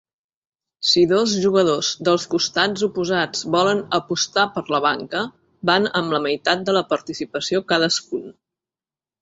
Si dos jugadors dels costats oposats volen "apostar per la banca", van amb la meitat de la participació cadascun.